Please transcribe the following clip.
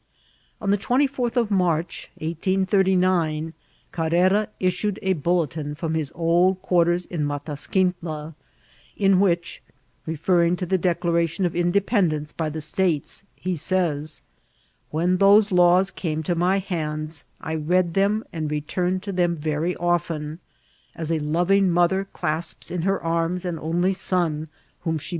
On the 24th of March, 1839, Carrera issued a bulle tin from hia old quarters in Matasquintla, in which, referring to the declaration of independence by the States, he says :<^ When those laws came to my hands, I read them and returned to them very often ; as a loving mother clasps in her arms an only son whom she CAREIRA AGAIN VPPBRM08T.